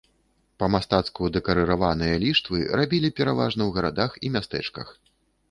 Па-мастацку дэкарыраваныя ліштвы рабілі пераважна ў гарадах і мястэчках.